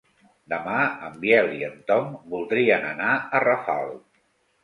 Demà en Biel i en Tom voldrien anar a Rafal.